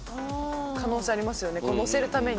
可能性ありますよね。